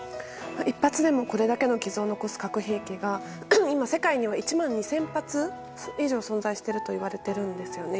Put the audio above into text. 一発でもこれだけの傷を残す核兵器が今、世界には１万２０００発以上存在しているといわれています。